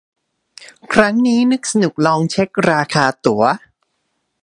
ครั้งนี้นึกสนุกลองเช็คราคาตั๋ว